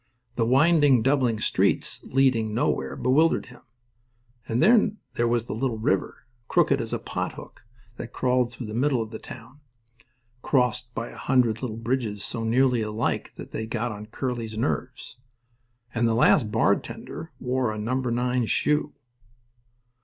The winding, doubling streets, leading nowhere, bewildered him. And then there was a little river, crooked as a pot hook, that crawled through the middle of the town, crossed by a hundred little bridges so nearly alike that they got on Curly's nerves. And the last bartender wore a number nine shoe.